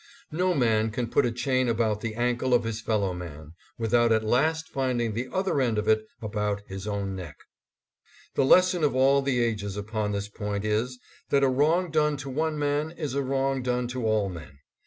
" No man can put a chain about the ankle of his fellow man, without at last finding the other end of it about his own neck." The lesson of all the ages upon this point is, that a wrong done to one man is a wrong done to all men.